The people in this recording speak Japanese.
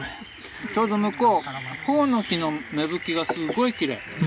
ちょうど向こうホオノキの芽吹きがすごいきれい。